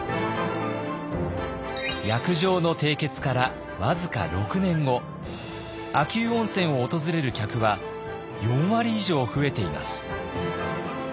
約定の締結から僅か６年後秋保温泉を訪れる客は４割以上増えています。